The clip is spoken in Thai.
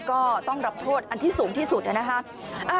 ก็ต้องรับโทษอันที่สูงที่สุดนะคะ